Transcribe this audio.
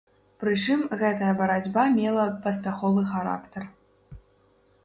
Прычым, гэтая барацьба мела паспяховы характар.